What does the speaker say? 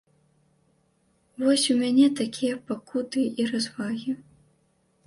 Вось у мяне такія пакуты і развагі.